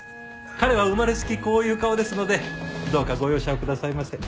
彼は生まれつきこういう顔ですのでどうかご容赦をくださいませ。